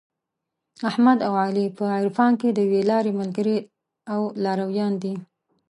احمد او علي په عرفان کې د یوې لارې ملګري او لارویان دي.